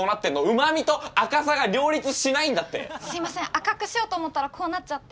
赤くしようと思ったらこうなっちゃって。